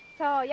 そうよ。